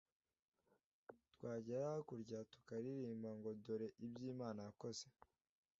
twagera hakurya tukaririmba ngo dore ibyo Imana yakoze